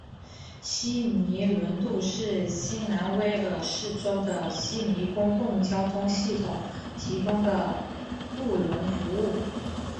悉尼轮渡是新南威尔士州的悉尼公共交通系统提供的轮渡服务。